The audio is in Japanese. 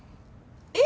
え？